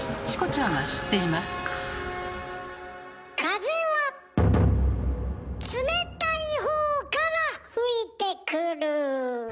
風は冷たいほうから吹いてくる。